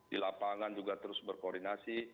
di lapangan juga terus berkoordinasi